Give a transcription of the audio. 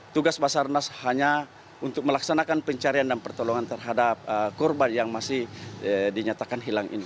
tugas basarnas hanya untuk melaksanakan pencarian dan pertolongan terhadap korban yang masih dinyatakan hilang ini